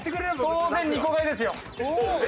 当然２個買いです。